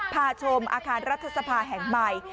พาชมอาคารรัฐสภาแห่งใหม่